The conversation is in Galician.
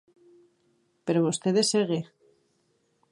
Pero vostede segue.